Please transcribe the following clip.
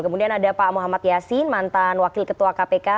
kemudian ada pak muhammad yasin mantan wakil ketua kpk